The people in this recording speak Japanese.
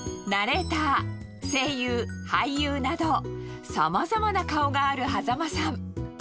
ナレーター、声優、俳優など、さまざまな顔がある羽佐間さん。